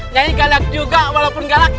nyanyi galak juga walaupun galak